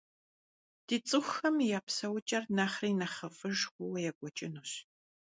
Ди цӏыхухэм я псэукӏэр нэхъри нэхъыфӏыж хъууэ екӏуэкӏынущ.